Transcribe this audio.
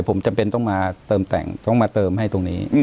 ผมจำเป็นต้องมาเติมแต่งต้องมาเติมให้ตรงนี้